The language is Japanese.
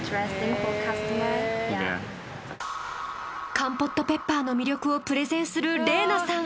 カンポットペッパーの魅力をプレゼンする澪那さん。